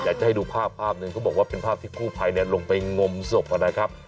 อยากจะให้ดูภาพภาพหนึ่งเขาบอกว่าเป็นภาพที่กู้ภัยลงไปงมศพนะครับ